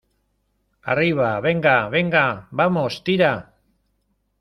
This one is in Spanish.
¡ arriba, venga , venga! ¡ vamos , tira !